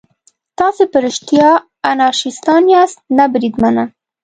تاسې رښتیا انارشیستان یاست؟ نه بریدمنه.